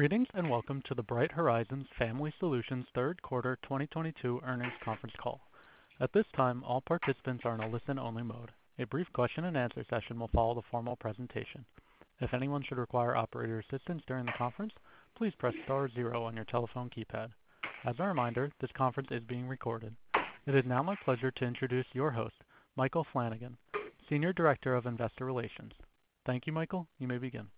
Greetings, and welcome to the Bright Horizons Family Solutions Q3 2022 Earnings Conference Call. At this time, all participants are in a listen-only mode. A brief question-and-answer session will follow the formal presentation. If anyone should require operator assistance during the conference, please press star zero on your telephone keypad. As a reminder, this conference is being recorded. It is now my pleasure to introduce your host, Michael Flanagan, Senior Director of Investor Relations. Thank you, Michael. You may begin.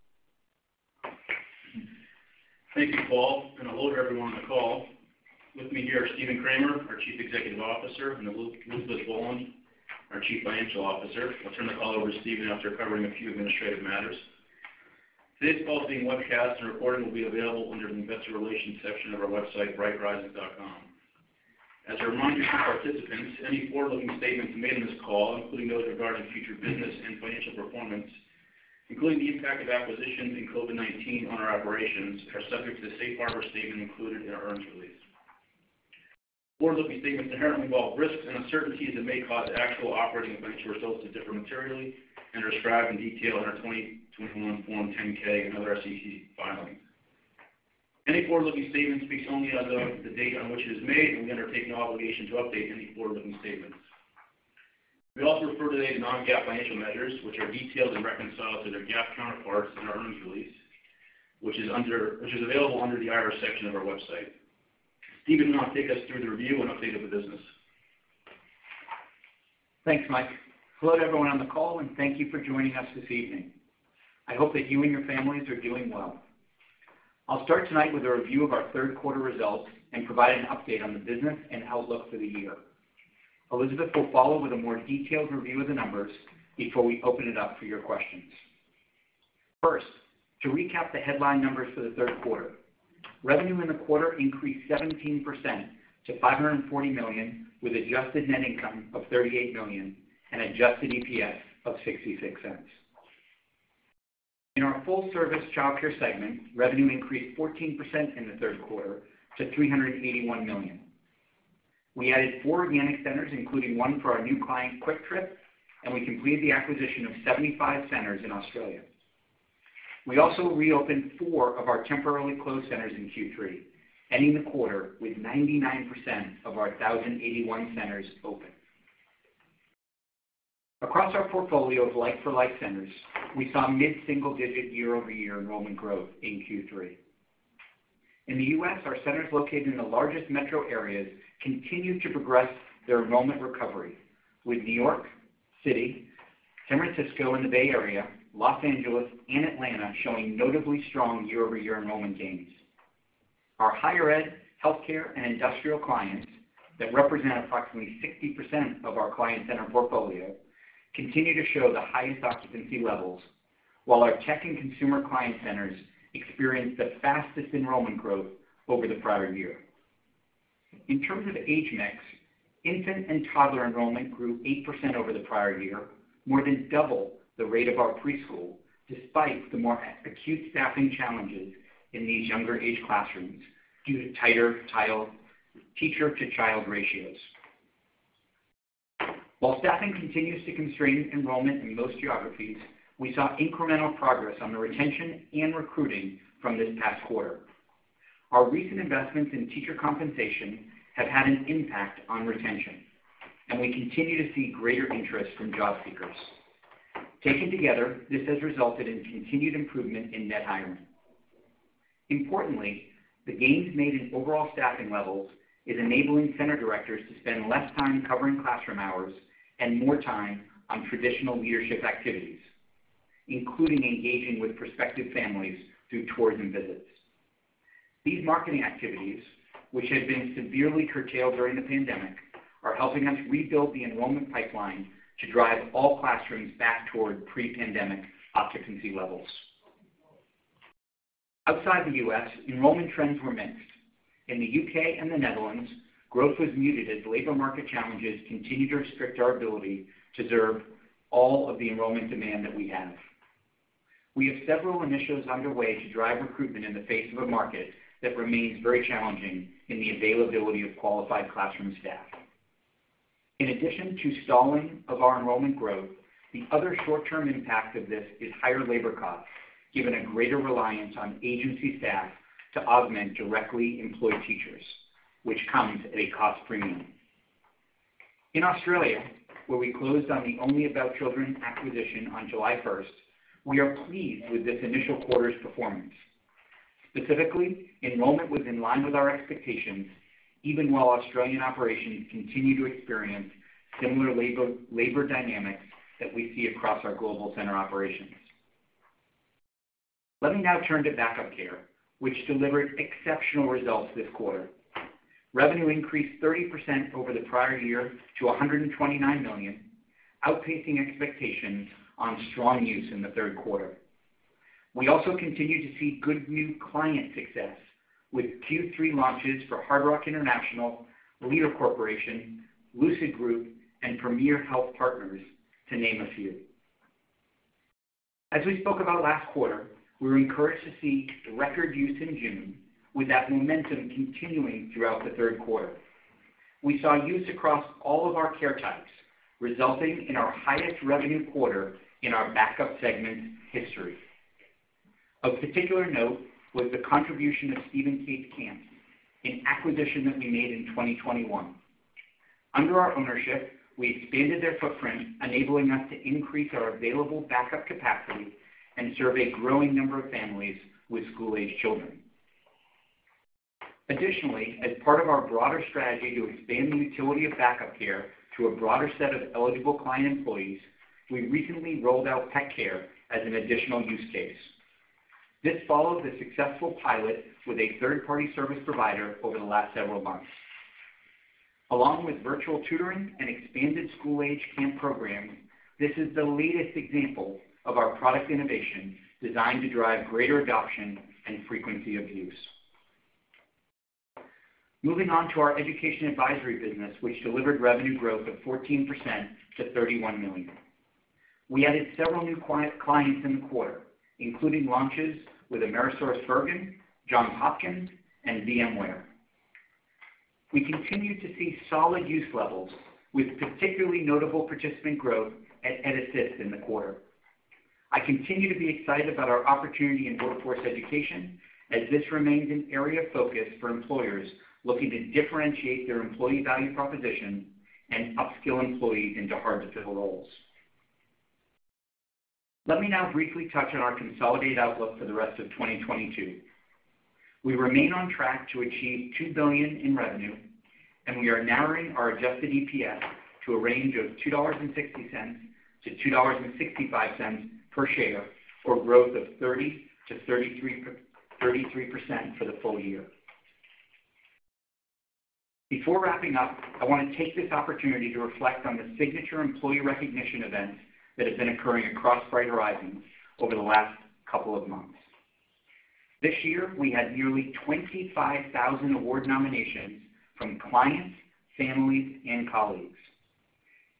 Thank you, Paul, and hello to everyone on the call. With me here is Stephen Kramer, our Chief Executive Officer, and Elizabeth Boland, our Chief Financial Officer. I'll turn the call over to Stephen after covering a few administrative matters. Today's call is being webcast and recorded and will be available under the Investor Relations section of our website, brighthorizons.com. As a reminder to participants, any forward-looking statements made on this call, including those regarding future business and financial performance, including the impact of acquisitions and COVID-19 on our operations, are subject to the safe harbor statement included in our earnings release. Forward-looking statements inherently involve risks and uncertainties that may cause actual operating and financial results to differ materially and are described in detail in our 2021 Form 10-K and other SEC filings. Any forward-looking statements speaks only as of the date on which it is made, and we undertake no obligation to update any forward-looking statements. We also refer today to non-GAAP financial measures which are detailed and reconciled to their GAAP counterparts in our earnings release, which is available under the IR section of our website. Stephen will now take us through the review and update of the business. Thanks, Mike. Hello to everyone on the call, and thank you for joining us this evening. I hope that you and your families are doing well. I'll start tonight with a review of our Q3 results and provide an update on the business and outlook for the year. Elizabeth will follow with a more detailed review of the numbers before we open it up for your questions. First, to recap the headline numbers for the Q3. Revenue in the quarter increased 17% to $540 million, with adjusted net income of $38 million and adjusted EPS of $0.66. In our full-service childcare segment, revenue increased 14% in the Q3 to $381 million. We added 4 organic centers, including one for our new client, Kwik Trip, and we completed the acquisition of 75 centers in Australia. We also reopened 4 of our temporarily closed centers in Q3, ending the quarter with 99% of our 1,081 centers open. Across our portfolio of like-for-like centers, we saw mid-single digit year-over-year enrollment growth in Q3. In the US, our centers located in the largest metro areas continued to progress their enrollment recovery, with New York City, San Francisco, and the Bay Area, Los Angeles, and Atlanta showing notably strong year-over-year enrollment gains. Our higher ed, healthcare, and industrial clients that represent approximately 60% of our client center portfolio continue to show the highest occupancy levels, while our tech and consumer client centers experienced the fastest enrollment growth over the prior year. In terms of age mix, infant and toddler enrollment grew 8% over the prior year, more than double the rate of our preschool, despite the more acute staffing challenges in these younger age classrooms due to tighter teacher-to-child ratios. While staffing continues to constrain enrollment in most geographies, we saw incremental progress on the retention and recruiting from this past quarter. Our recent investments in teacher compensation have had an impact on retention, and we continue to see greater interest from job seekers. Taken together, this has resulted in continued improvement in net hiring. Importantly, the gains made in overall staffing levels is enabling center directors to spend less time covering classroom hours and more time on traditional leadership activities, including engaging with prospective families through tours and visits. These marketing activities, which had been severely curtailed during the pandemic, are helping us rebuild the enrollment pipeline to drive all classrooms back toward pre-pandemic occupancy levels. Outside the US, enrollment trends were mixed. In the UK and the Netherlands, growth was muted as labor market challenges continued to restrict our ability to serve all of the enrollment demand that we have. We have several initiatives underway to drive recruitment in the face of a market that remains very challenging in the availability of qualified classroom staff. In addition to stalling of our enrollment growth, the other short-term impact of this is higher labor costs, given a greater reliance on agency staff to augment directly employed teachers, which comes at a cost premium. In Australia, where we closed on the Only About Children acquisition on July first, we are pleased with this initial quarter's performance. Specifically, enrollment was in line with our expectations, even while Australian operations continue to experience similar labor dynamics that we see across our global center operations. Let me now turn to Back-Up Care, which delivered exceptional results this quarter. Revenue increased 30% over the prior year to $129 million, outpacing expectations on strong use in the Q3. We also continue to see good new client success with Q3 launches for Hard Rock International, Lear Corporation, Lucid Group, and Premier Health Partners, to name a few. As we spoke about last quarter, we were encouraged to see record use in June, with that momentum continuing throughout the Q3. we saw use across all of our care types, resulting in our highest revenue quarter in our Back-Up segment history. Of particular note was the contribution of Steve & Kate's Camp, an acquisition that we made in 2021. Under our ownership, we expanded their footprint, enabling us to increase our available backup capacity and serve a growing number of families with school-age children. Additionally, as part of our broader strategy to expand the utility of backup care to a broader set of eligible client employees, we recently rolled out pet care as an additional use case. This follows a successful pilot with a third-party service provider over the last several months. Along with virtual tutoring and expanded school-age camp programs, this is the latest example of our product innovation designed to drive greater adoption and frequency of use. Moving on to our education advisory business, which delivered revenue growth of 14% to $31 million. We added several new clients in the quarter, including launches with AmerisourceBergen, Johns Hopkins, and VMware. We continue to see solid use levels with particularly notable participant growth at EdAssist in the quarter. I continue to be excited about our opportunity in workforce education as this remains an area of focus for employers looking to differentiate their employee value proposition and upskill employees into hard-to-fill roles. Let me now briefly touch on our consolidated outlook for the rest of 2022. We remain on track to achieve $2 billion in revenue, and we are narrowing our adjusted EPS to a range of $2.60 to 2.65 per share, or growth of 30% to 33% for the full year. Before wrapping up, I want to take this opportunity to reflect on the signature employee recognition events that have been occurring across Bright Horizons over the last couple of months. This year, we had nearly 25,000 award nominations from clients, families, and colleagues.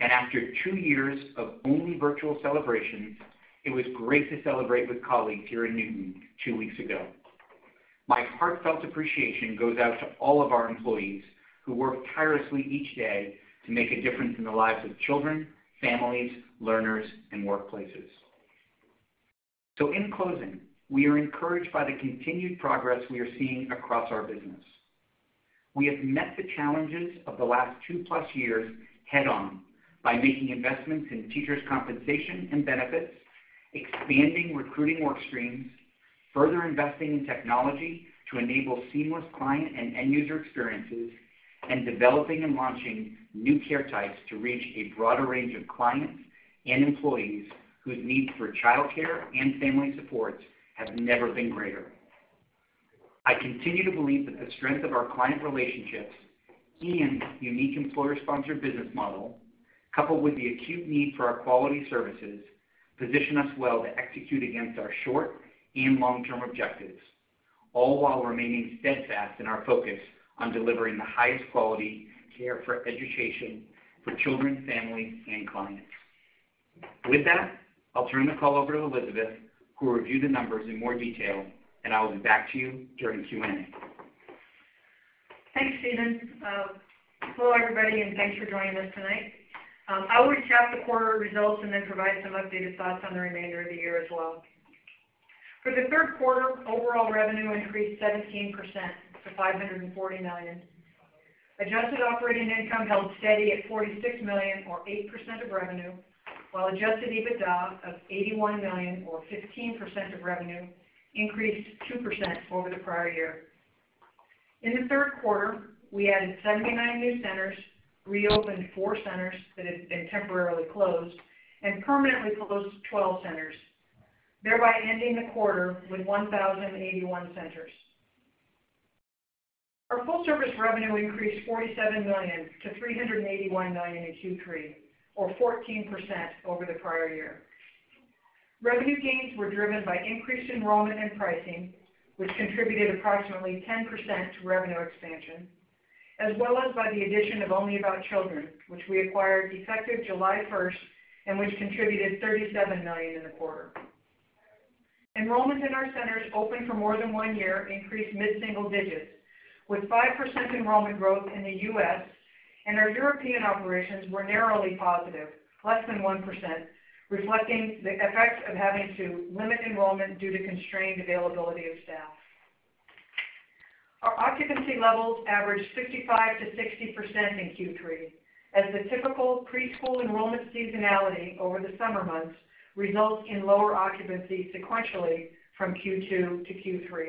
After 2 years of only virtual celebrations, it was great to celebrate with colleagues here in Newton 2 weeks ago. My heartfelt appreciation goes out to all of our employees who work tirelessly each day to make a difference in the lives of children, families, learners, and workplaces. In closing, we are encouraged by the continued progress we are seeing across our business. We have met the challenges of the last 2+ years head-on by making investments in teachers' compensation and benefits, expanding recruiting work streams, further investing in technology to enable seamless client and end user experiences, and developing and launching new care types to reach a broader range of clients and employees whose need for childcare and family support have never been greater. I continue to believe that the strength of our client relationships and unique employer-sponsored business model, coupled with the acute need for our quality services, position us well to execute against our short and long-term objectives, all while remaining steadfast in our focus on delivering the highest quality care for education for children, families, and clients. With that, I'll turn the call over to Elizabeth, who will review the numbers in more detail, and I will be back to you during Q&A. Thanks, Stephen. Hello, everybody, and thanks for joining us tonight. I'll recap the quarter results and then provide some updated thoughts on the remainder of the year as well. For the Q3, overall revenue increased 17% to $540 million. Adjusted operating income held steady at $46 million or 8% of revenue, while adjusted EBITDA of $81 million or 15% of revenue increased 2% over the prior year. In the Q3, we added 79 new centers, reopened 4 centers that had been temporarily closed, and permanently closed 12 centers, thereby ending the quarter with 1,081 centers. Our full-service revenue increased $47 million to $381 million in Q3 or 14% over the prior year. Revenue gains were driven by increased enrollment and pricing, which contributed approximately 10% to revenue expansion, as well as by the addition of Only About Children, which we acquired effective July first, and which contributed $37 million in the quarter. Enrollment in our centers open for more than 1 year increased mid-single digits, with 5% enrollment growth in the US and our European operations were narrowly positive, less than 1%, reflecting the effects of having to limit enrollment due to constrained availability of staff. Our occupancy levels averaged 55% to 60% in Q3, as the typical preschool enrollment seasonality over the summer months results in lower occupancy sequentially from Q2 to Q3.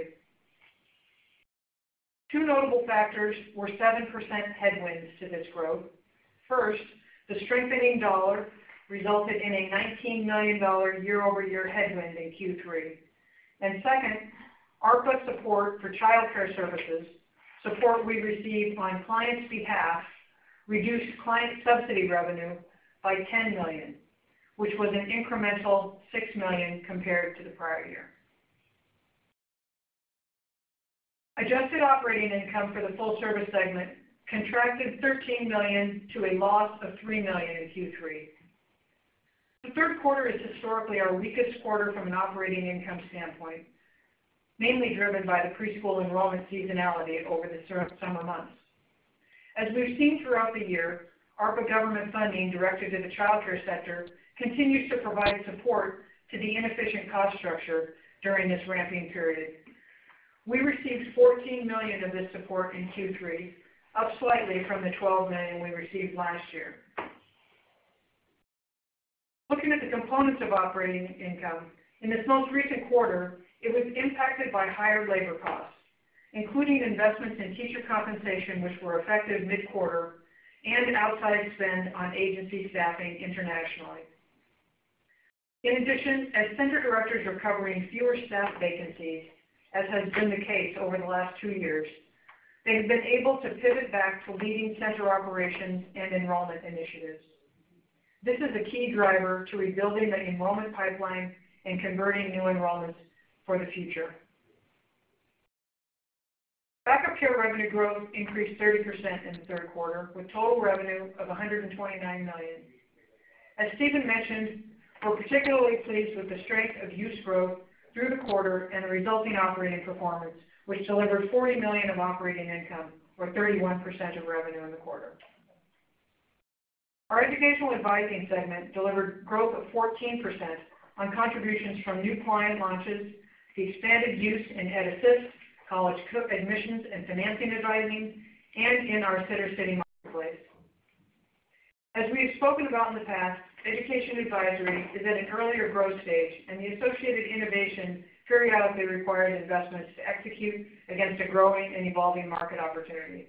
Two notable factors were 7% headwinds to this growth. First, the strengthening dollar resulted in a $19 million year-over-year headwind in Q3. Second, ARPA support for childcare services, support we received on clients' behalf, reduced client subsidy revenue by $10 million, which was an incremental $6 million compared to the prior year. Adjusted operating income for the full service segment contracted $13 million to a loss of $3 million in Q3. The Q3 is historically our weakest quarter from an operating income standpoint, mainly driven by the preschool enrollment seasonality over the summer months. As we've seen throughout the year, ARPA government funding directed to the childcare sector continues to provide support to the inefficient cost structure during this ramping period. We received $14 million of this support in Q3, up slightly from the $12 million we received last year. Looking at the components of operating income, in this most recent quarter, it was impacted by higher labor costs, including investments in teacher compensation, which were effective mid-quarter, and outside spend on agency staffing internationally. In addition, as center directors are covering fewer staff vacancies, as has been the case over the last 2 years, they have been able to pivot back to leading center operations and enrollment initiatives. This is a key driver to rebuilding the enrollment pipeline and converting new enrollments for the future. Back-up care revenue growth increased 30% in the Q3, with total revenue of $129 million. As Stephen mentioned, we're particularly pleased with the strength of use growth through the quarter and the resulting operating performance, which delivered $40 million of operating income or 31% of revenue in the quarter. Our educational advising segment delivered growth of 14% on contributions from new client launches, the expanded use in EdAssist, College Coach admissions and financing advising, and in our Sittercity marketplace. As we have spoken about in the past, education advisory is at an earlier growth stage, and the associated innovation periodically requires investments to execute against a growing and evolving market opportunity.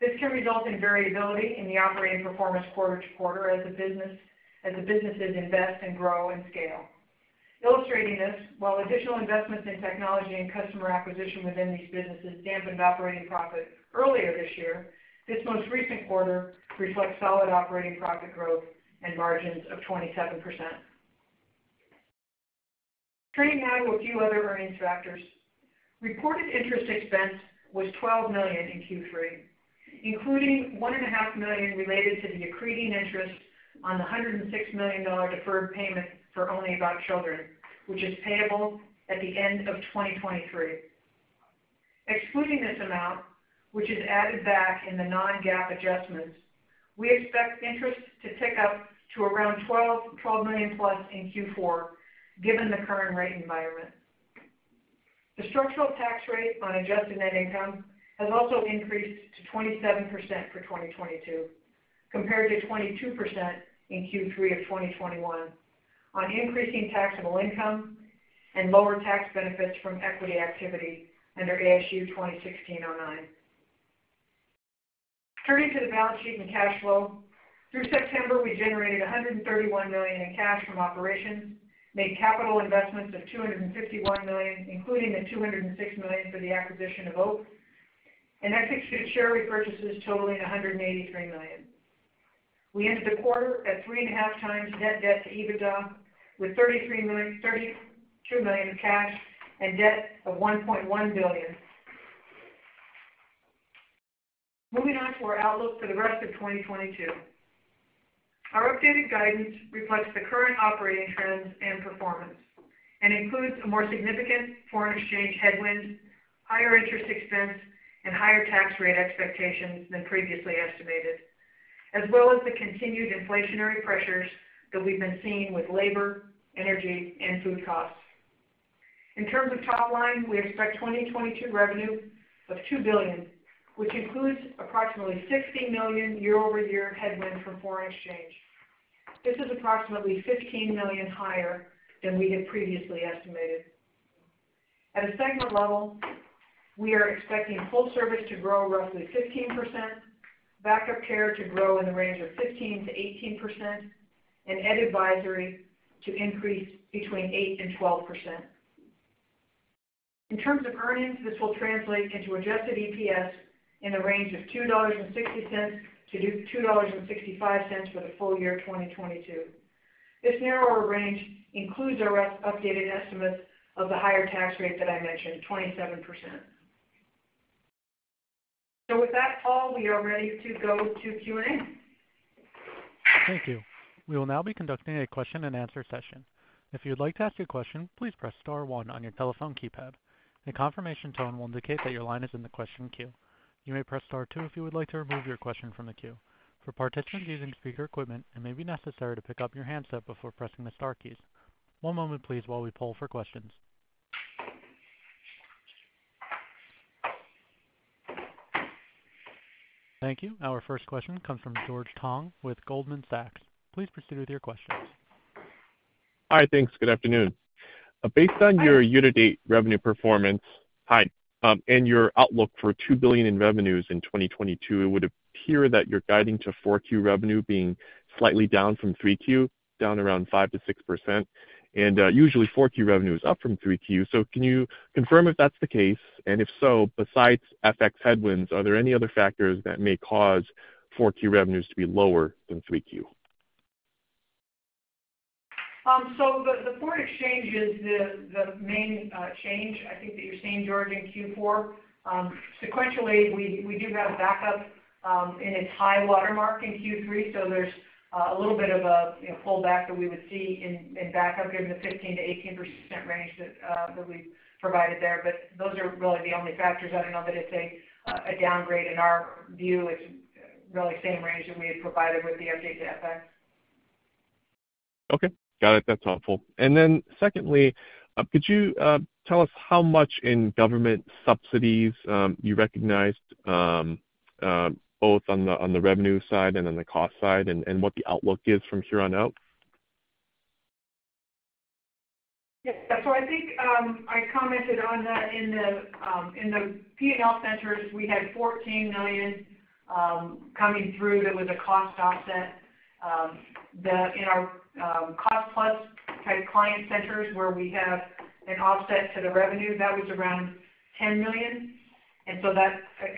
This can result in variability in the operating performance quarter-to-quarter as the businesses invest and grow and scale. Illustrating this, while additional investments in technology and customer acquisition within these businesses dampened operating profit earlier this year, this most recent quarter reflects solid operating profit growth and margins of 27%. Turning now to a few other earnings factors. Reported interest expense was $12 million in Q3, including one and a half million related to the accreting interest on the $106 million deferred payment for Only About Children, which is payable at the end of 2023. Excluding this amount, which is added back in the non-GAAP adjustments, we expect interest to tick up to around $12 million+ in Q4, given the current rate environment. The structural tax rate on adjusted net income has also increased to 27% for 2022, compared to 22% in Q3 of 2021, on increasing taxable income and lower tax benefits from equity activity under ASU 2016-09. Turning to the balance sheet and cash flow. Through September, we generated $131 million in cash from operations, made capital investments of $251 million, including the $206 million for the acquisition of Only About Children. Executed share repurchases totaling $183 million. We ended the quarter at 3.5x net debt to EBITDA, with 32 million in cash and debt of $1.1 billion. Moving on to our outlook for the rest of 2022. Our updated guidance reflects the current operating trends and performance and includes a more significant foreign exchange headwind, higher interest expense, and higher tax rate expectations than previously estimated, as well as the continued inflationary pressures that we've been seeing with labor, energy, and food costs. In terms of top line, we expect 2022 revenue of $2 billion, which includes approximately $60 million year-over-year headwind from foreign exchange. This is approximately $15 million higher than we had previously estimated. At a segment level, we are expecting Full Service to grow roughly 15%, Back-Up Care to grow in the range of 15% to 18%, and Ed Advisory to increase between 8% to 12%. In terms of earnings, this will translate into adjusted EPS in the range of $2.60 to 2.65 for the full year 2022. This narrower range includes our updated estimates of the higher tax rate that I mentioned, 27%. With that, Paul, we are ready to go to Q&A. Thank you. We will now be conducting a question and answer session. If you'd like to ask a question, please press star one on your telephone keypad. A confirmation tone will indicate that your line is in the question queue. You may press star two if you would like to remove your question from the queue. For participants using speaker equipment, it may be necessary to pick up your handset before pressing the star keys. One moment please while we poll for questions. Thank you. Our first question comes from George Tong with Goldman Sachs. Please proceed with your questions. Hi. Thanks. Good afternoon. Based on your year-to-date revenue performance, and your outlook for $2 billion in revenues in 2022, it would appear that you're guiding to Q4 revenue being slightly down from Q3, down around 5% to 6%. Usually, Q4 revenue is up from Q3. Can you confirm if that's the case? If so, besides FX headwinds, are there any other factors that may cause Q4 revenues to be lower than Q3? The foreign exchange is the main change I think that you're seeing, George, in Q4. Sequentially, we do have a backup in its high watermark in Q3, so there's a little bit of a, you know, pullback that we would see in backup in the 15% to 18% range that we've provided there. Those are really the only factors. I don't know that it's a downgrade. In our view, it's really same range that we had provided with the update to FX. Okay. Got it. That's helpful. Secondly, could you tell us how much in government subsidies you recognized both on the revenue side and on the cost side, and what the outlook is from here on out? Yes. I think I commented on that in the P&L centers. We had $14 million coming through that was a cost offset. In our cost-plus type client centers where we have an offset to the revenue, that was around $10 million. That's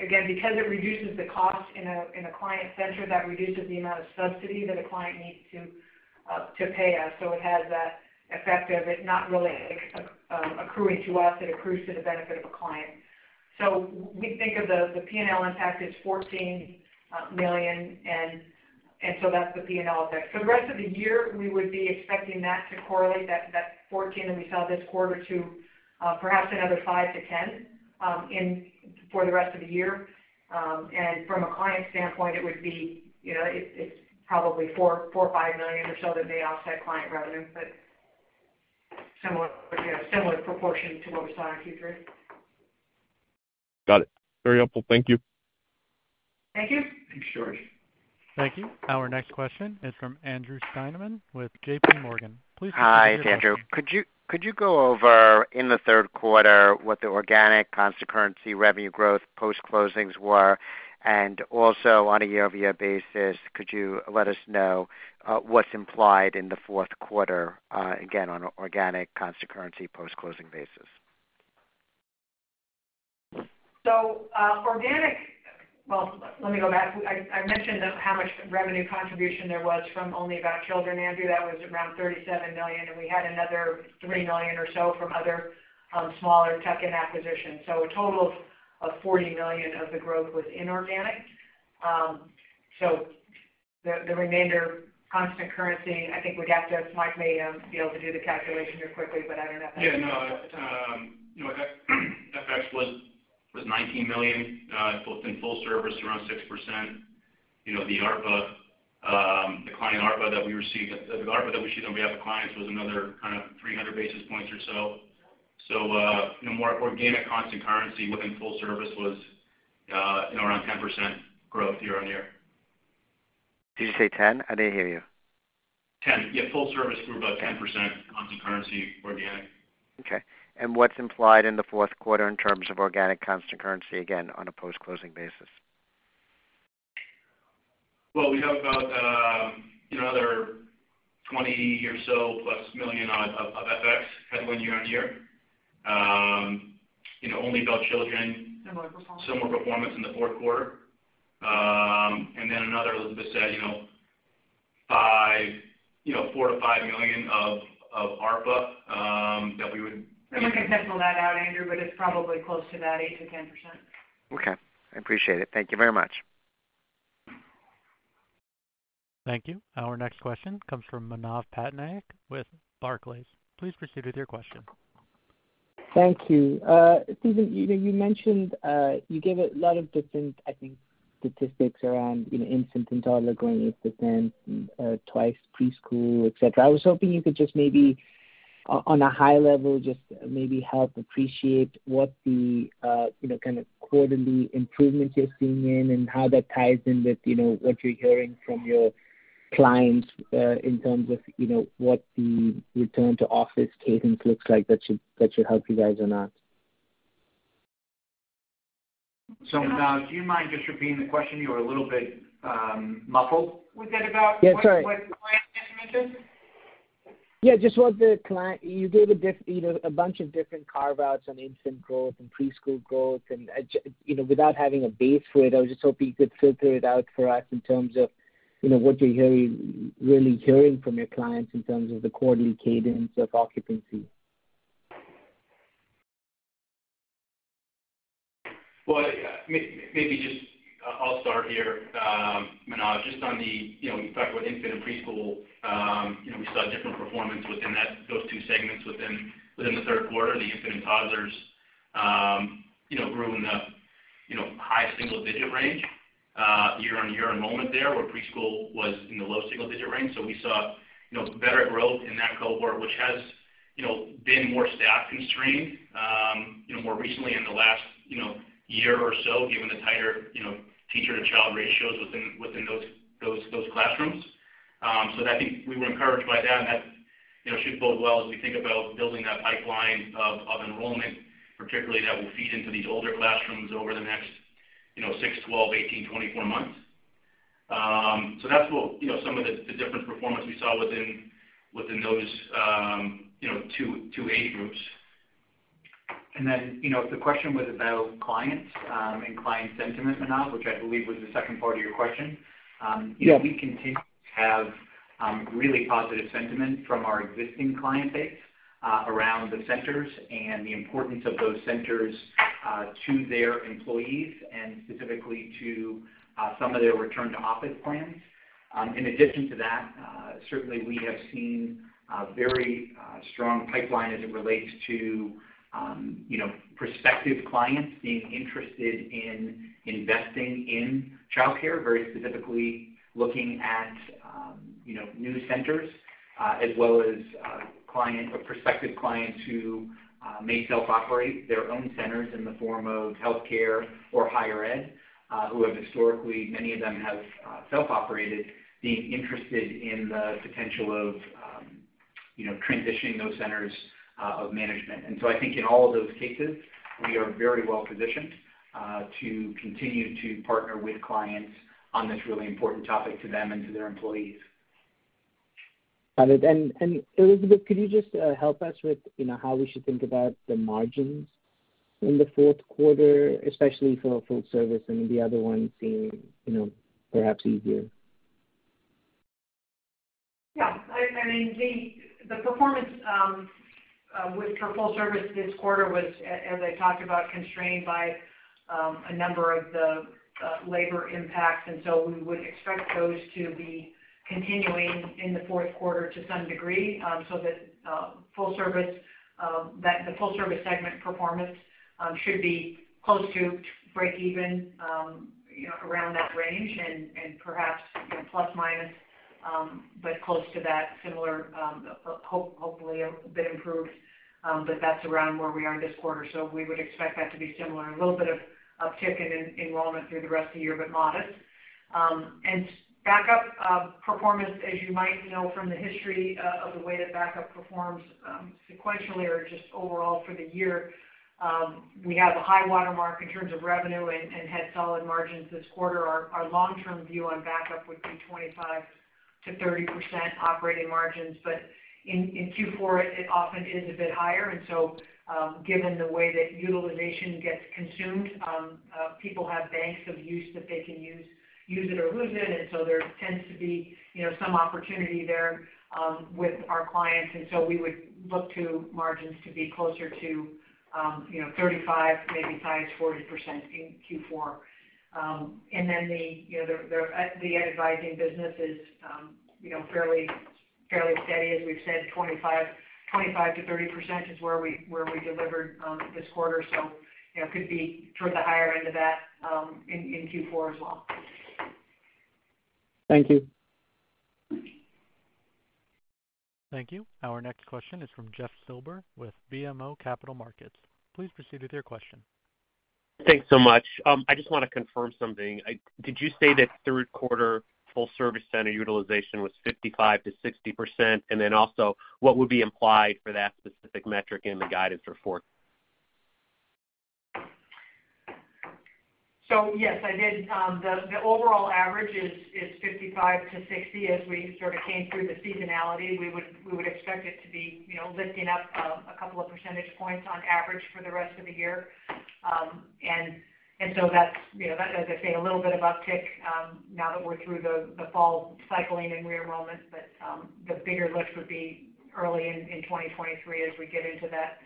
again because it reduces the cost in a client center. That reduces the amount of subsidy that a client needs to pay us. It has that effect of it not really accruing to us. It accrues to the benefit of a client. We think of the P&L impact is $14 million and so that's the P&L effect. For the rest of the year, we would be expecting that to correlate that $14 million that we saw this quarter to perhaps another $5 to 10 million infor the rest of the year. From a client standpoint, it would be, you know, it's probably $4 to 5 million or so that may offset client revenue, but similar, you know, similar proportion to what we saw in Q3. Got it. Very helpful. Thank you. Thank you. Thanks, George. Thank you. Our next question is from Andrew Steinerman with JPMorgan. Please go ahead, Hi, it's Andrew. Could you go over, in the Q3, what the organic constant currency revenue growth post-closings were? Also on a year-over-year basis, could you let us know what's implied in the Q4, again, on organic constant currency post-closing basis? Well, let me go back. I mentioned how much revenue contribution there was from Only About Children, Andrew. That was around $37 million, and we had another $3 million or so from other smaller tuck-in acquisitions. A total of $40 million of the growth was inorganic. The remainder constant currency, I think we'd have to. Mike may be able to do the calculation here quickly, but I don't know if that's. Yeah, no. You know, FX was $19 million, both in full service, around 6%. You know, the ARPA, the client ARPA that we received, the ARPA that we see on behalf of clients was another kind of 300 basis points or so. You know, more organic constant currency within full service was, you know, around 10% growth year-on-year. Did you say 10? I didn't hear you. 10. Yeah, full service grew about 10% constant currency organic. Okay. What's implied in the Q4 in terms of organic constant currency, again, on a post-closing basis? We have about, you know, another $20 million + or so of FX headwind year-on-year. You know, Only About Children. Similar performance. Similar performance in the Q4. Another, Elizabeth said, you know, $4 to 5 million of ARPA that we would We can tease that out, Andrew, but it's probably close to that 8% to 10%. Okay. I appreciate it. Thank you very much. Thank you. Our next question comes from Manav Patnaik with Barclays. Please proceed with your question. Thank you. Stephen, you know, you mentioned you gave a lot of different, I think, statistics around, you know, infant and toddler growing with the trend, twice preschool, et cetera. I was hoping you could just maybe on a high level, just maybe help appreciate what the, you know, kind of quarterly improvements you're seeing in, and how that ties in with, you know, what you're hearing from your clients, in terms of, you know, what the return to office cadence looks like that should help you guys or not. Manav, do you mind just repeating the question? You're a little bit muffled. Was that about- Yeah, sorry. What client just mentioned? Yeah, just what the client. You gave, you know, a bunch of different carve-outs on infant growth and preschool growth and, you know, without having a base for it, I was just hoping you could filter it out for us in terms of, you know, what you're hearing, really hearing from your clients in terms of the quarterly cadence of occupancy. Well, maybe just I'll start here, Manav. Just on the, you know, you talked about infant and preschool. You know, we saw different performance within those 2 segments within the Q3. The infant and toddlers, you know, grew in the, you know, high single digit range, year-on-year enrollment there, where preschool was in the low single digit range. We saw, you know, better growth in that cohort, which has, you know, been more staff constrained, you know, more recently in the last, you know, year or so, given the tighter, you know, teacher-to-child ratios within those classrooms. I think we were encouraged by that, and that, you know, should bode well as we think about building that pipeline of enrollment, particularly that will feed into these older classrooms over the next, you know, 6, 12, 18, 24 months. That's what, you know, some of the different performance we saw within those, you know, 2 age groups. you know, the question was about clients, and client sentiment, Manav, which I believe was the second part of your question. Yeah We continue to have really positive sentiment from our existing client base around the centers and the importance of those centers to their employees and specifically to some of their return-to-office plans. In addition to that, certainly we have seen a very strong pipeline as it relates to you know prospective clients being interested in investing in childcare, very specifically looking at you know new centers as well as client or prospective clients who may self-operate their own centers in the form of healthcare or higher ed, who have historically many of them have self-operated being interested in the potential of you know transitioning those centers of management. I think in all of those cases, we are very well positioned to continue to partner with clients on this really important topic to them and to their employees. Got it. Elizabeth, could you just help us with, you know, how we should think about the margins in the Q4, especially for full service and the other one seeing, you know, perhaps easier? Yeah. I mean, the performance with full service this quarter was, as I talked about, constrained by a number of the labor impacts. We would expect those to be continuing in the Q4 to some degree. That full service segment performance should be close to breakeven, you know, around that range and perhaps, you know, plus minus, but close to that similar, hopefully a bit improved. That's around where we are this quarter. We would expect that to be similar. A little bit of uptick in enrollment through the rest of the year, but modest. Backup performance, as you might know from the history of the way that backup performs sequentially or just overall for the year, we have a high watermark in terms of revenue and had solid margins this quarter. Our long-term view on backup would be 25% to 30% operating margins. In Q4 it often is a bit higher. Given the way that utilization gets consumed, people have banks of use that they can use it or lose it. There tends to be, you know, some opportunity there with our clients. We would look to margins to be closer to, you know, 35%, maybe as high as 40% in Q4. Then the advising business is, you know, fairly steady. As we've said, 25% to 30% is where we delivered this quarter. You know, could be towards the higher end of that, in Q4 as well. Thank you. Thank you. Our next question is from Jeff Silber with BMO Capital Markets. Please proceed with your question. Thanks so much. I just wanna confirm something. Did you say that Q3 full-service center utilization was 55% to 60%? What would be implied for that specific metric in the guidance for fourth? Yes, I did. The overall average is 55% to 60%. As we sort of came through the seasonality, we would expect it to be, you know, lifting up a couple of percentage points on average for the rest of the year. And so that's, you know, as I say, a little bit of uptick now that we're through the fall cycling and re-enrollment. But the bigger lift would be early in 2023 as we get into that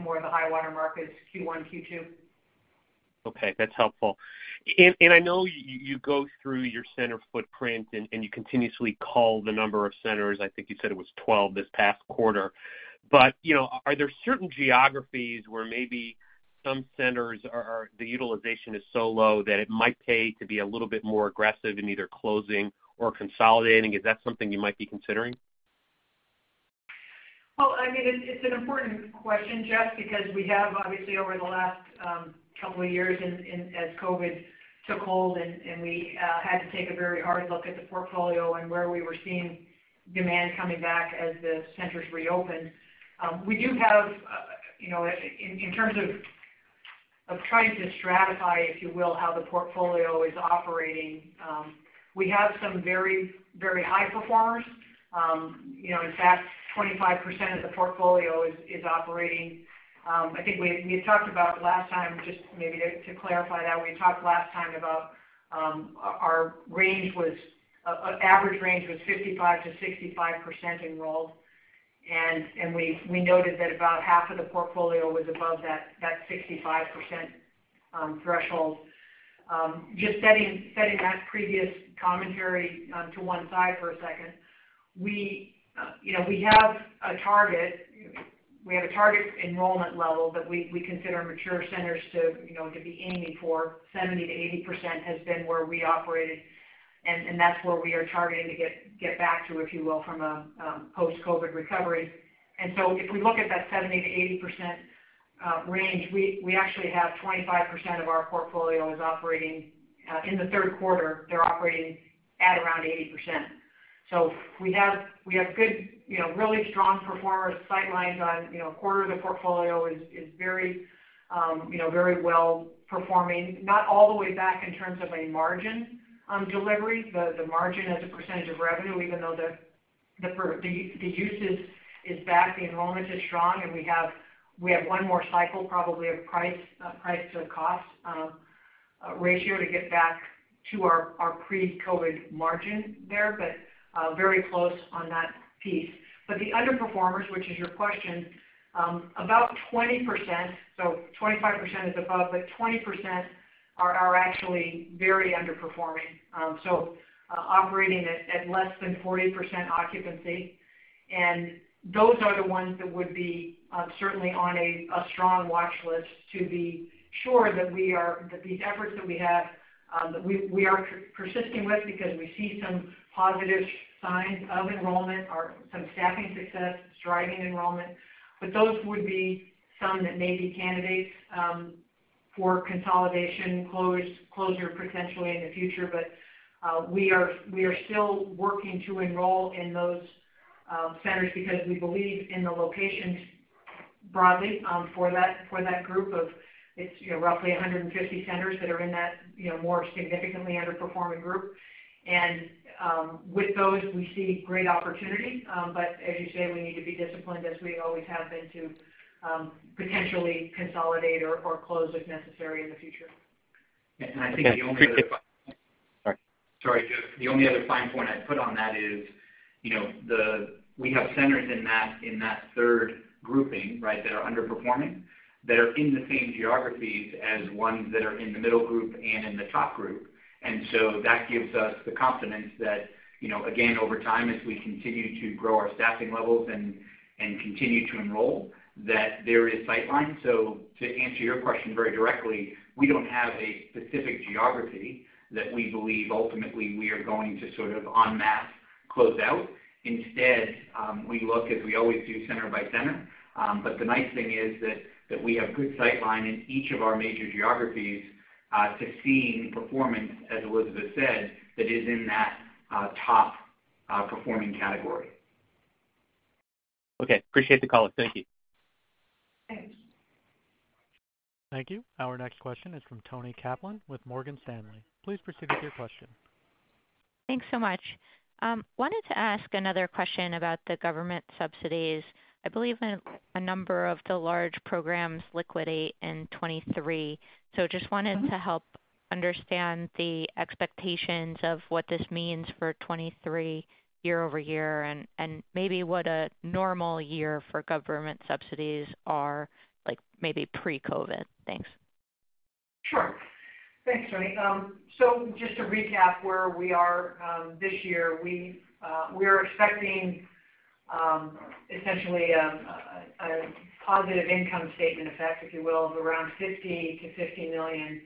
more of the high-water markets, Q1, Q2. Okay, that's helpful. I know you go through your center footprint and you continuously cull the number of centers. I think you said it was 12 this past quarter. You know, are there certain geographies where maybe some centers are the utilization is so low that it might pay to be a little bit more aggressive in either closing or consolidating? Is that something you might be considering? Well, I mean, it's an important question, Jeff, because we have obviously over the last couple of years in as COVID took hold and we had to take a very hard look at the portfolio and where we were seeing demand coming back as the centers reopened. We do have, you know, in terms of trying to stratify, if you will, how the portfolio is operating, we have some very high performers. You know, in fact, 25% of the portfolio is operating. I think we had talked about last time, just maybe to clarify that, we talked last time about our average range was 55% to 65% enrolled. We noted that about half of the portfolio was above that 65% threshold. Just setting that previous commentary to one side for a second. You know, we have a target enrollment level that we consider mature centers to be aiming for, 70% to 80% has been where we operated and that's where we are targeting to get back to, if you will, from a post-COVID recovery. If we look at that 70% to 80% range, we actually have 25% of our portfolio operating in the Q3. They're operating at around 80%. We have good, you know, really strong performers. Sightlines on, you know, a quarter of the portfolio is very well-performing, not all the way back in terms of a margin delivery. The margin as a percentage of revenue, even though the usage is back, the enrollment is strong, and we have 1 more cycle, probably of price to cost ratio to get back to our pre-COVID margin there, but very close on that piece. The underperformers, which is your question about 20%, so 25% is above, but 20% are actually very underperforming, operating at less than 40% occupancy. Those are the ones that would be certainly on a strong watchlist to be sure that these efforts that we have that we are persisting with because we see some positive signs of enrollment or some staffing success driving enrollment. Those would be some that may be candidates for consolidation, closure potentially in the future. We are still working to enroll in those centers because we believe in the locations broadly for that group of, you know, roughly 150 centers that are in that, you know, more significantly underperforming group. With those, we see great opportunity. As you say, we need to be disciplined as we always have been to potentially consolidate or close if necessary in the future. I think the only other. Okay. Sorry, Jeff. The only other fine point I'd put on that is, you know, we have centers in that third grouping, right, that are underperforming, that are in the same geographies as ones that are in the middle group and in the top group. That gives us the confidence that, you know, again, over time, as we continue to grow our staffing levels and continue to enroll, that there is sightline. To answer your question very directly, we don't have a specific geography that we believe ultimately we are going to sort of en masse close out. Instead, we look, as we always do, center by center. The nice thing is that we have good sightline in each of our major geographies to seeing performance, as Elizabeth said, that is in that top performing category. Okay. Appreciate the color. Thank you. Thanks. Thank you. Our next question is from Toni Kaplan with Morgan Stanley. Please proceed with your question. Thanks so much. Wanted to ask another question about the government subsidies. I believe a number of the large programs liquidate in 2023. Just wanted- Mm-hmm. To help understand the expectations of what this means for 2023 year-over-year and maybe what a normal year for government subsidies are like maybe pre-COVID. Thanks. Sure. Thanks, Toni. Just to recap where we are, this year, we are expecting essentially a positive income statement effect, if you will, of around $50 to 60 million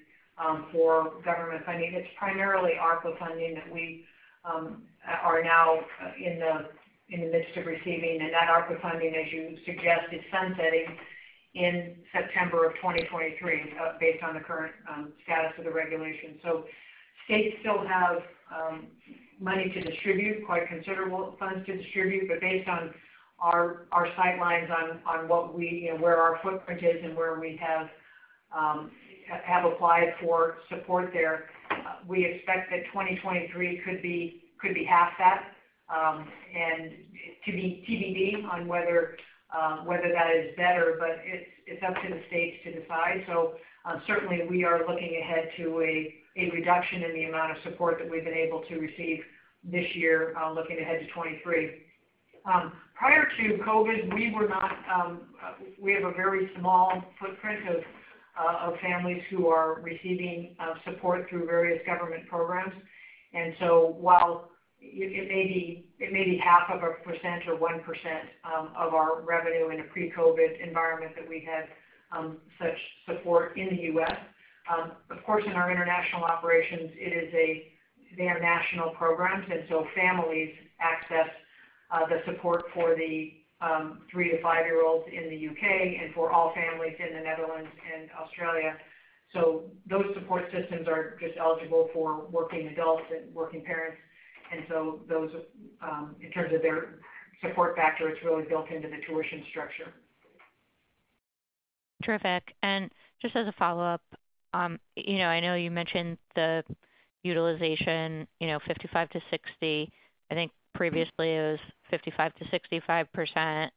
for government funding. It's primarily ARPA funding that we are now in the midst of receiving. That ARPA funding, as you suggested, is sunsetting in September of 2023, based on the current status of the regulation. States still have money to distribute, quite considerable funds to distribute. Based on our sightlines on what we, you know, where our footprint is and where we have applied for support there, we expect that 2023 could be half that, and to be TBD on whether that is better, but it's up to the states to decide. Certainly we are looking ahead to a reduction in the amount of support that we've been able to receive this year, looking ahead to 2023. Prior to COVID, we have a very small footprint of families who are receiving support through various government programs. While it may be half of a percent or 1% of our revenue in a pre-COVID environment that we had such support in the US Of course, in our international operations, they are national programs, and so families access the support for the 3 to 5 year olds in the UK and for all families in the Netherlands and Australia. Those support systems are just eligible for working adults and working parents. Those, in terms of their support factor, it's really built into the tuition structure. Terrific. Just as a follow-up, you know, I know you mentioned the utilization, you know, 55% to 60%. I think previously it was 55% to 65%.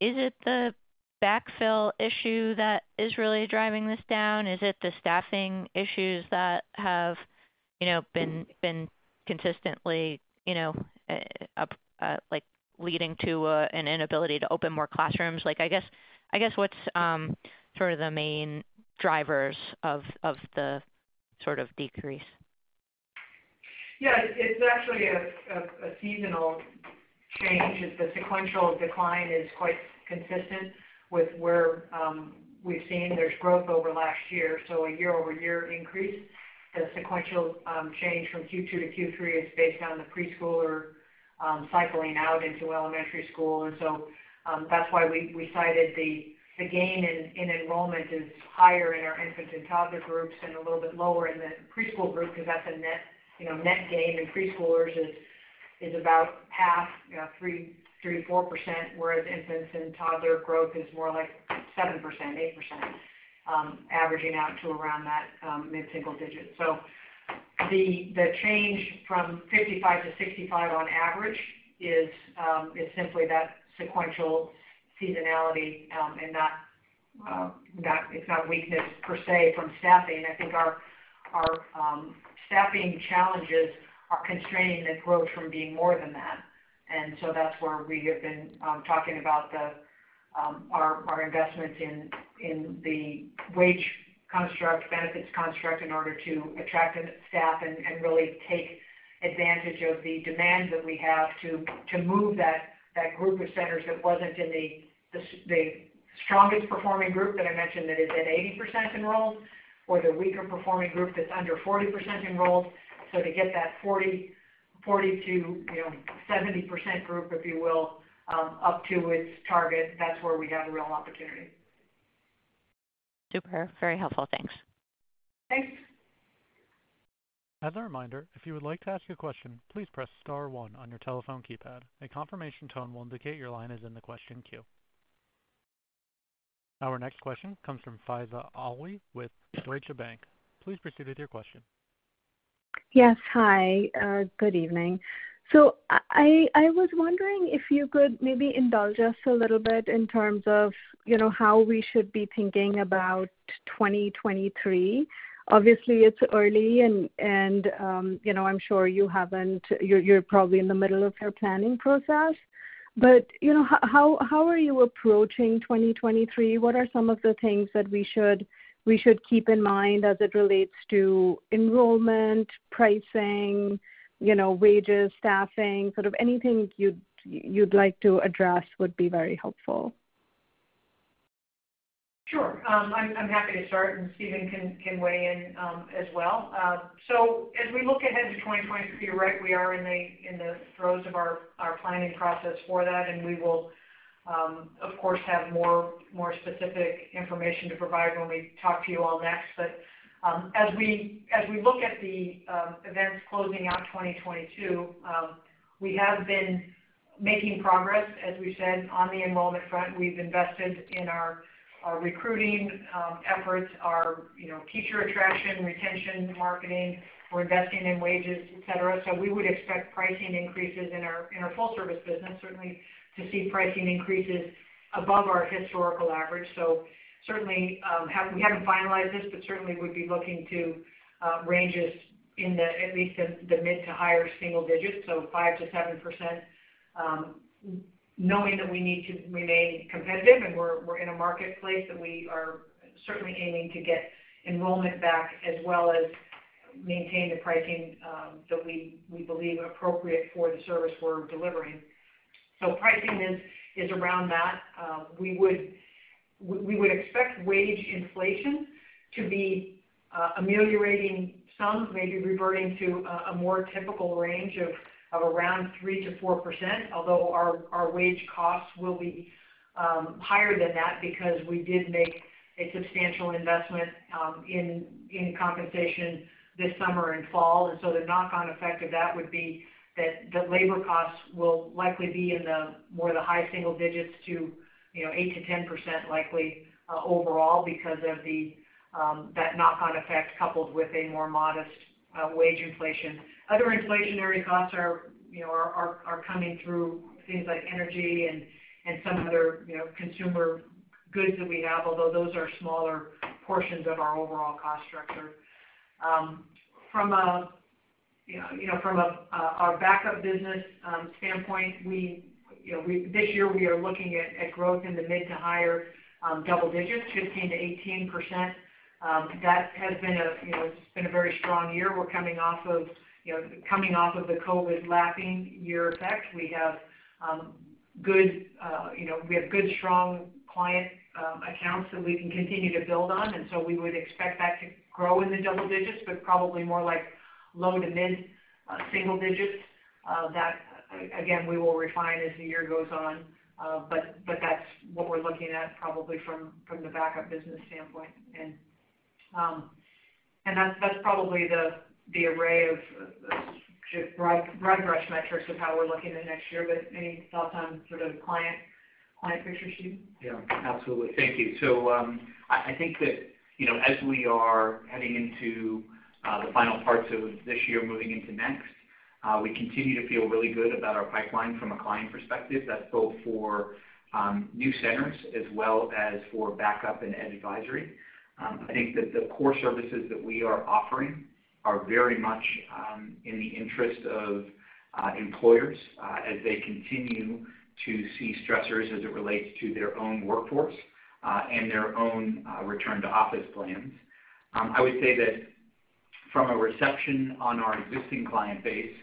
Is it the backfill issue that is really driving this down? Is it the staffing issues that have, you know, been consistently, you know, like leading to an inability to open more classrooms? Like, I guess what's sort of the main drivers of the sort of decrease? Yeah. It's actually a seasonal change. The sequential decline is quite consistent with where we've seen there's growth over last year. A year-over-year increase. The sequential change from Q2 to Q3 is based on the preschooler cycling out into elementary school. That's why we cited the gain in enrollment is higher in our infants and toddler groups and a little bit lower in the preschool group because that's a net, you know, net gain. Preschoolers is about half, you know, 3% to 4%, whereas infants and toddler growth is more like 7%, 8%. Averaging out to around that mid-single digits. The change from 55-65 on average is simply that sequential seasonality and it's not weakness per se from staffing. I think our staffing challenges are constraining the growth from being more than that. That's where we have been talking about our investments in the wage construct, benefits construct in order to attract and staff and really take advantage of the demand that we have to move that group of centers that wasn't in the strongest performing group that I mentioned that is at 80% enrolled, or the weaker performing group that's under 40% enrolled. To get that 40% to 70% group, if you will, up to its target, that's where we have a real opportunity. Super. Very helpful. Thanks. Thanks. As a reminder, if you would like to ask a question, please press star one on your telephone keypad. A confirmation tone will indicate your line is in the question queue. Our next question comes from Faiza Alwy with Deutsche Bank. Please proceed with your question. Yes. Hi. Good evening. I was wondering if you could maybe indulge us a little bit in terms of, you know, how we should be thinking about 2023. Obviously, it's early and, you know, you're probably in the middle of your planning process. How are you approaching 2023? What are some of the things that we should keep in mind as it relates to enrollment, pricing, you know, wages, staffing, sort of anything you'd like to address would be very helpful. Sure. I'm happy to start, and Stephen can weigh in, as well. As we look ahead to 2023, you're right, we are in the throes of our planning process for that, and we will, of course, have more specific information to provide when we talk to you all next. As we look at the events closing out 2022, we have been making progress, as we said, on the enrollment front. We've invested in our recruiting efforts, our, you know, teacher attraction, retention, marketing. We're investing in wages, et cetera. We would expect pricing increases in our full service business, certainly to see pricing increases above our historical average. Certainly, we haven't finalized this, but certainly would be looking to ranges in the, at least in the mid to higher single digits, so 5% to 7%, knowing that we need to remain competitive and we're in a marketplace that we are certainly aiming to get enrollment back as well as maintain the pricing that we believe appropriate for the service we're delivering. Pricing is around that. We would expect wage inflation to be ameliorating some, maybe reverting to a more typical range of around 3% to 4%, although our wage costs will be higher than that because we did make a substantial investment in compensation this summer and fall. The knock-on effect of that would be that the labor costs will likely be in the high single digits to 8% to 10% likely overall because of that knock-on effect coupled with a more modest wage inflation. Other inflationary costs are coming through things like energy and some other consumer goods that we have, although those are smaller portions of our overall cost structure. From our backup business standpoint, this year, we are looking at growth in the mid to higher double digits, 15% to 18%. That has been a very strong year. We're coming off of the COVID lapping year effect. We have good, strong client accounts that we can continue to build on. We would expect that to grow in the double digits, but probably more like low to mid single digits. That again, we will refine as the year goes on. That's what we're looking at probably from the backup business standpoint. That's probably the array of just broad brush metrics of how we're looking at next year. Any thoughts on sort of client picture, Stephen? Yeah. Absolutely. Thank you. I think that, you know, as we are heading into the final parts of this year moving into next, we continue to feel really good about our pipeline from a client perspective. That's both for new centers as well as for back-up and Ed Advisory. I think that the core services that we are offering are very much in the interest of employers as they continue to see stressors as it relates to their own workforce and their own return to office plans. I would say that from a reception on our existing client base,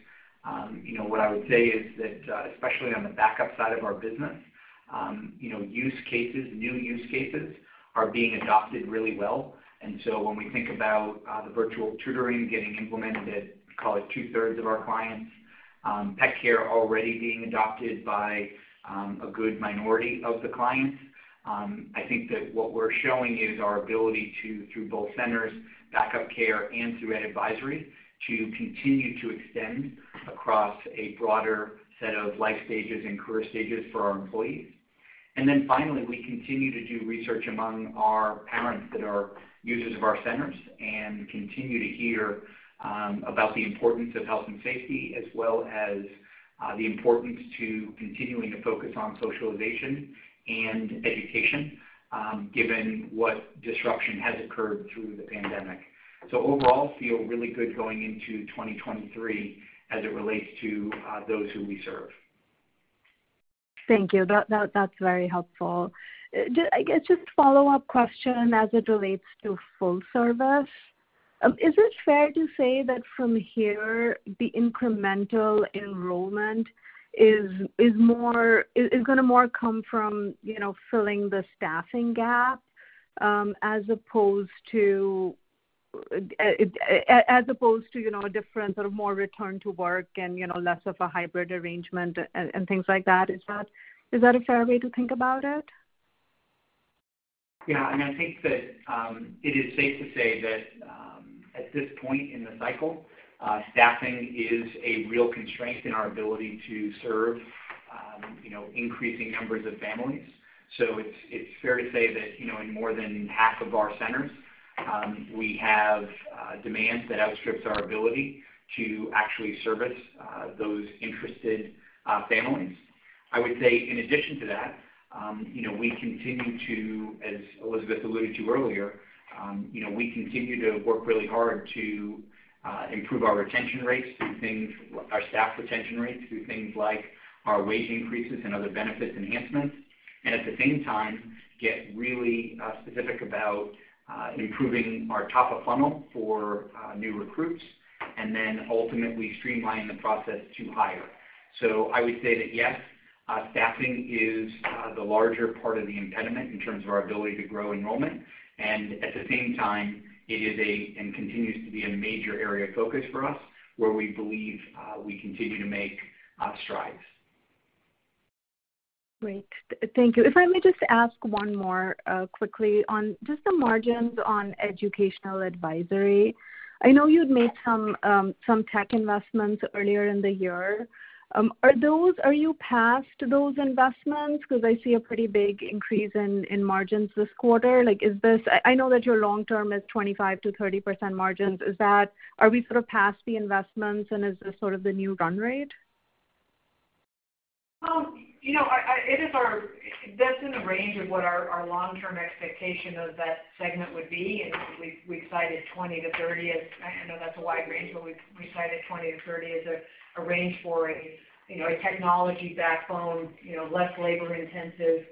you know, what I would say is that, especially on the back-up side of our business, you know, use cases, new use cases are being adopted really well. When we think about the virtual tutoring getting implemented at, call it 2/3 of our clients, pet care already being adopted by a good minority of the clients, I think that what we're showing is our ability to, through both centers, back-up care, and through Ed Advisory, to continue to extend across a broader set of life stages and career stages for our employees. Then finally, we continue to do research among our parents that are users of our centers and continue to hear about the importance of health and safety as well as the importance to continuing to focus on socialization and education, given what disruption has occurred through the pandemic. Overall, feel really good going into 2023 as it relates to those who we serve. Thank you. That's very helpful. I guess just follow-up question as it relates to full service. Is it fair to say that from here, the incremental enrollment is more gonna come more from, you know, filling the staffing gap, as opposed to, as opposed to, you know, a different sort of more return to work and, you know, less of a hybrid arrangement and things like that? Is that a fair way to think about it? I think that it is safe to say that at this point in the cycle, staffing is a real constraint in our ability to serve you know increasing numbers of families. It's fair to say that you know in more than half of our centers we have demand that outstrips our ability to actually service those interested families. I would say in addition to that you know we continue to as Elizabeth alluded to earlier work really hard to improve our staff retention rates through things like our wage increases and other benefits enhancements. At the same time get really specific about improving our top of funnel for new recruits and then ultimately streamline the process to hire. I would say that, yes, staffing is the larger part of the impediment in terms of our ability to grow enrollment, and at the same time, it is and continues to be a major area of focus for us, where we believe we continue to make strides. Great. Thank you. If I may just ask one more, quickly on just the margins on educational advisory. I know you'd made some tech investments earlier in the year. Are you past those investments? 'Cause I see a pretty big increase in margins this quarter. Like, I know that your long-term is 25% to 30% margins. Are we sort of past the investments, and is this sort of the new run rate? That's in the range of what our long-term expectation of that segment would be. We cited 20% to 30% as. I know that's a wide range, but we cited 20% to 30% as a range for a technology backbone, less labor-intensive,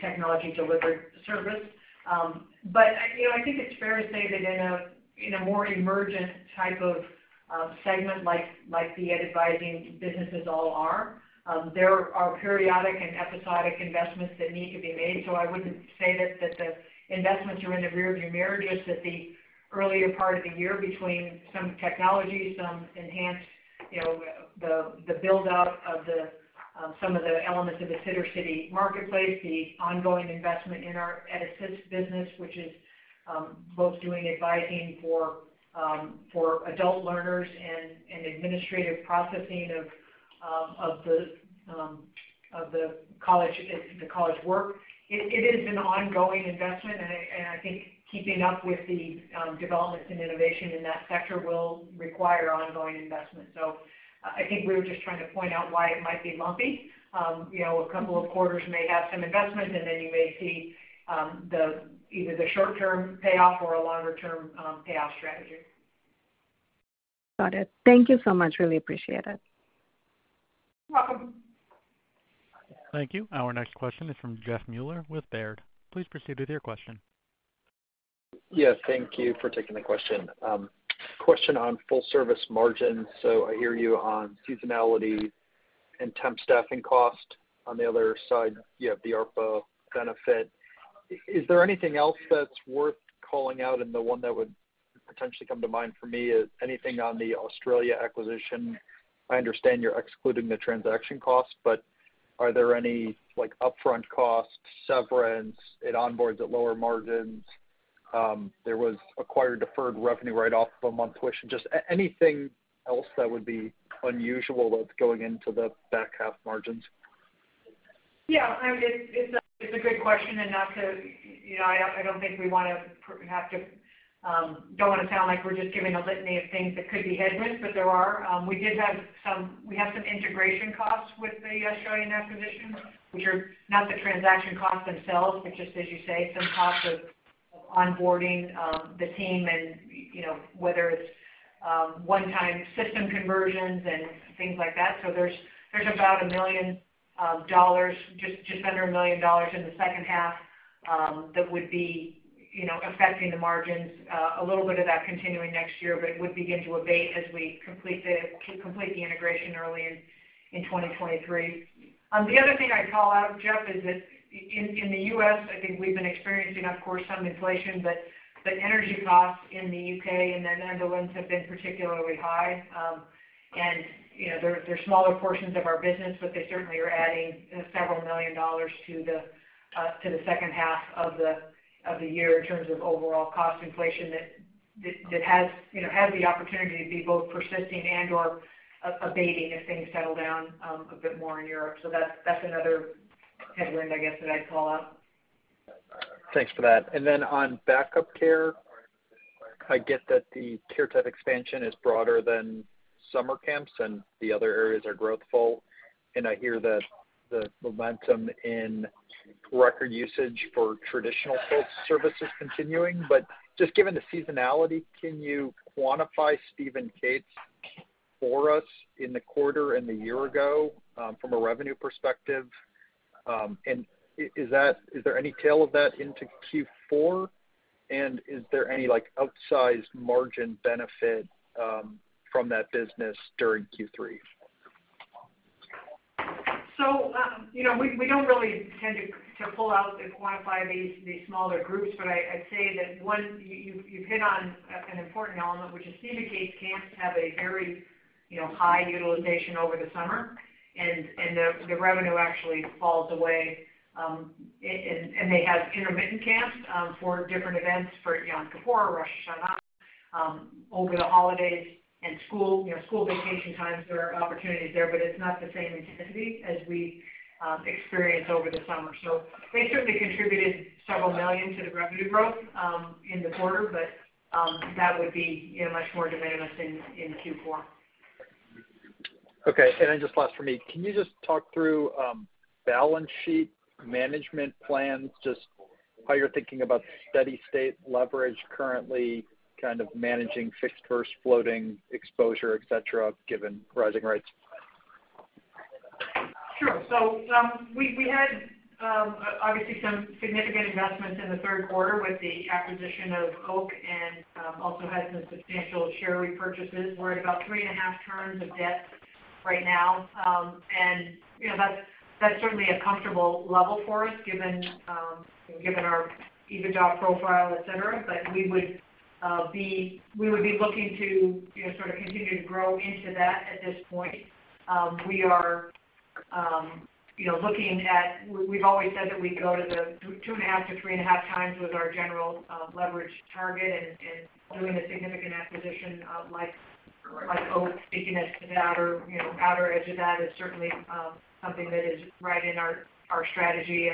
technology-delivered service. I think it's fair to say that in a more emergent type of segment like the Ed Advisory business, there are periodic and episodic investments that need to be made. I wouldn't say that the investments are in the rear view mirror. Just at the earlier part of the year between some technology, some enhancements, you know, the build-out of some of the elements of the Sittercity marketplace, the ongoing investment in our EdAssist business, which is both doing advising for adult learners and administrative processing of the college, it's the college work. It is an ongoing investment and I think keeping up with the developments and innovation in that sector will require ongoing investment. I think we were just trying to point out why it might be lumpy. You know, a couple of quarters may have some investment, and then you may see either the short-term payoff or a longer-term payoff strategy. Got it. Thank you so much. Really appreciate it. You're welcome. Thank you. Our next question is from Jeff Meuler with Baird. Please proceed with your question. Yeah. Thank you for taking the question. Question on full service margins. I hear you on seasonality and temp staffing cost. On the other side, you have the ARPA benefit. Is there anything else that's worth calling out? The one that would potentially come to mind for me is anything on the Australia acquisition. I understand you're excluding the transaction costs, but are there any, like, upfront costs, severance, it onboards at lower margins? There was acquired deferred revenue write-off of a month push. Just anything else that would be unusual that's going into the back half margins? I mean, it's a good question. I don't think we want to sound like we're just giving a litany of things that could be headwinds, but there are. We have some integration costs with the Australian acquisition, which are not the transaction costs themselves, but just as you say, some costs of onboarding the team and whether it's one-time system conversions and things like that. There's about $1 million, just under $1 million in the H2 that would be affecting the margins. A little bit of that continuing next year, but it would begin to abate as we complete the integration early in 2023. The other thing I'd call out, Jeff, is that in the US, I think we've been experiencing, of course, some inflation, but energy costs in the UK and the Netherlands have been particularly high. You know, they're smaller portions of our business, but they certainly are adding, you know, several million dollars to the H2 of the year in terms of overall cost inflation that has, you know, the opportunity to be both persisting and/or abating if things settle down a bit more in Europe. That's another headwind, I guess, that I'd call out. Thanks for that. On Back-Up Care, I get that their type expansion is broader than summer camps and the other areas are growing. I hear that the momentum and record usage for traditional full-service is continuing. Just given the seasonality, can you quantify Steve & Kate's for us in the quarter and the year ago from a revenue perspective? Is there any tail of that into Q4? Is there any like outsized margin benefit from that business during Q3? You know, we don't really tend to pull out and quantify these smaller groups. I'd say you've hit on an important element, which is Steve & Kate's camps have a very you know high utilization over the summer, and the revenue actually falls away. And they have intermittent camps for different events for Yom Kippur or Rosh Hashanah over the holidays and school you know school vacation times. There are opportunities there, but it's not the same intensity as we experience over the summer. They certainly contributed several million to the revenue growth in the quarter. That would be you know much more so in Q4. Okay. Then just last for me, can you just talk through, balance sheet management plans, just how you're thinking about steady-state leverage currently kind of managing fixed versus floating exposure, et cetera, given rising rates? Sure. We had obviously some significant investments in the Q3 with the acquisition of Only About Children and also had some substantial share repurchases. We're at about 3.5 turns of debt right now. You know, that's certainly a comfortable level for us, given our EBITDA profile, et cetera. We would be looking to, you know, sort of continue to grow into that at this point. We've always said that we go to 2.5x to 3.5x with our general leverage target, and doing a significant acquisition like Only About Children, taking us to that or, you know, outer edge of that is certainly something that is right in our strategy.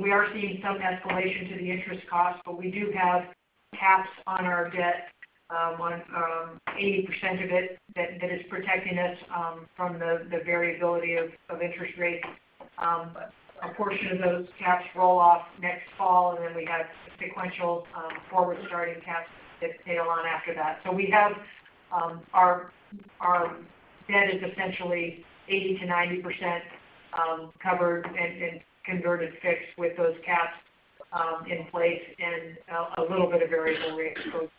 We are seeing some escalation to the interest cost, but we do have caps on our debt on 80% of it that is protecting us from the variability of interest rates. A portion of those caps roll off next fall, and then we have sequential forward-starting caps that tail on after that. We have our debt is essentially 80% to 90% covered and converted fixed with those caps in place and a little bit of variable rate exposed.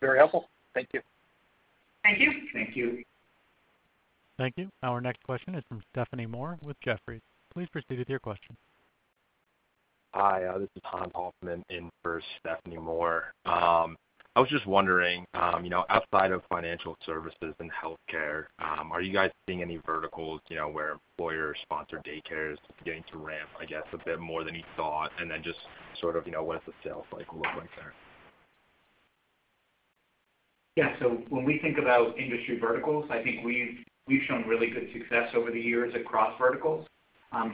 Very helpful. Thank you. Thank you. Thank you. Thank you. Our next question is from Stephanie Moore with Jefferies. Please proceed with your question. Hi, this is Hans Hoffman in for Stephanie Moore. I was just wondering, you know, outside of financial services and healthcare, are you guys seeing any verticals, you know, where employer-sponsored daycares is beginning to ramp, I guess, a bit more than you thought? Then just sort of, you know, what does the sales cycle look like there? Yeah. When we think about industry verticals, I think we've shown really good success over the years across verticals.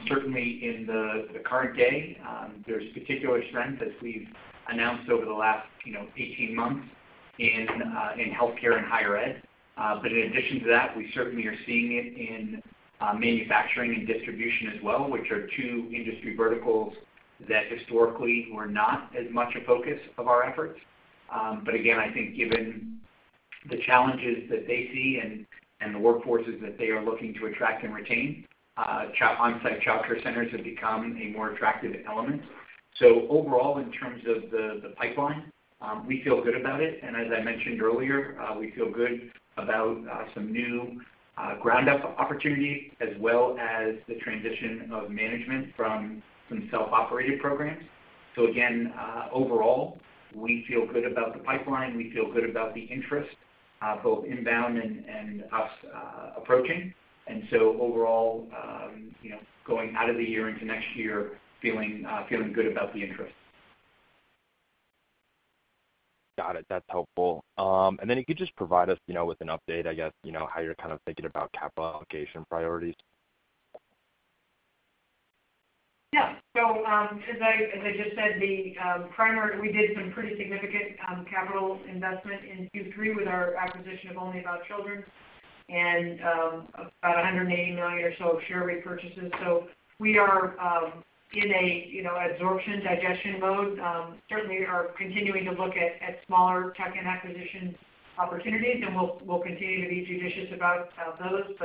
Certainly, in the current day, there's particular strength as we've announced over the last, you know, 18 months in healthcare and higher ed. But in addition to that, we certainly are seeing it in manufacturing and distribution as well, which are 2 industry verticals that historically were not as much a focus of our efforts. I think given the challenges that they see and the workforces that they are looking to attract and retain, on-site childcare centers have become a more attractive element. Overall, in terms of the pipeline, we feel good about it. As I mentioned earlier, we feel good about some new ground-up opportunities as well as the transition of management from some self-operated programs. Overall, we feel good about the pipeline. We feel good about the interest, both inbound and us approaching. Overall, you know, going out of the year into next year feeling good about the interest. Got it. That's helpful. If you could just provide us, you know, with an update, I guess, you know, how you're kind of thinking about capital allocation priorities. As I just said, we did some pretty significant capital investment in Q3 with our acquisition of Only About Children and about $180 million or so share repurchases. We are in a you know absorption digestion mode. Certainly, are continuing to look at smaller tech and acquisition opportunities, and we'll continue to be judicious about those.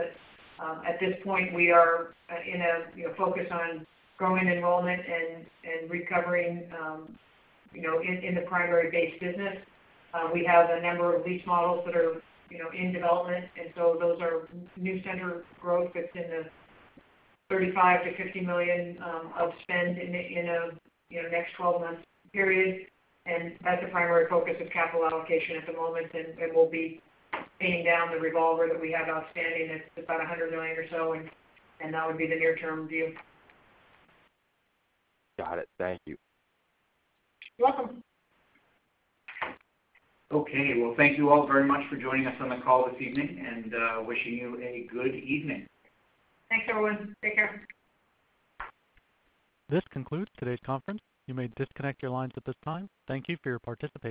At this point, we are in a you know focus on growing enrollment and recovering you know in the primary-based business. We have a number of lease models that are you know in development, and so those are new center growth that's in the $35 to 50 million of spend in a you know next 12 month period. That's a primary focus of capital allocation at the moment, and we'll be paying down the revolver that we have outstanding. That's about $100 million or so, and that would be the near-term view. Got it. Thank you. You're welcome. Okay. Well, thank you all very much for joining us on the call this evening, and wishing you a good evening. Thanks, everyone. Take care. This concludes today's conference. You may disconnect your lines at this time. Thank you for your participation.